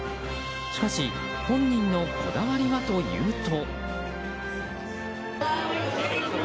しかし、本人のこだわりはというと。